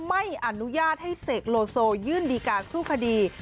ไม่อนุญาตให้เสกโลโซยื่นดีการสู้คดี